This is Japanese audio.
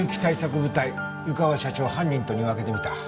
部隊湯川社長犯人とに分けてみた。